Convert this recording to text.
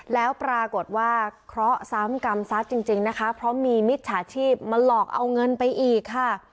แล้วปรากฏว่าเคราะห์ซ้ำกรรมซะจริงนะคะเพราะมีมิจฉาชีพมาหลอกเอาเงินไปอีกค่ะ